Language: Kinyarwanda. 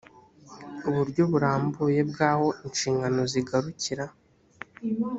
uburyo burambuye bw aho inshingano zigarukira